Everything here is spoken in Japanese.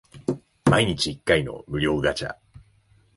毎日一回の無料ガチャ